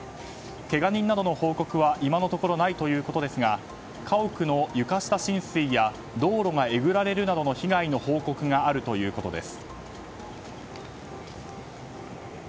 けが人などの報告は今のところないということですが家屋の床下浸水や道路がえぐられるなどの被害の報告があるということです。